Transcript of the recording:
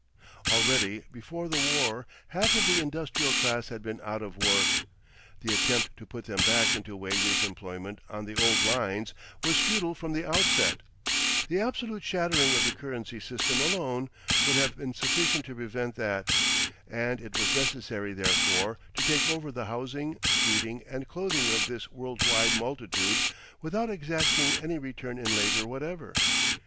Already before the war half of the industrial class had been out of work, the attempt to put them back into wages employment on the old lines was futile from the outset—the absolute shattering of the currency system alone would have been sufficient to prevent that, and it was necessary therefore to take over the housing, feeding, and clothing of this worldwide multitude without exacting any return in labour whatever.